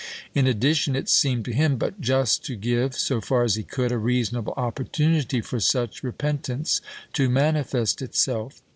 In addition, it seemed to him but just to give, so far as he could, a reasonable opportunity for such repentance to manifest itself.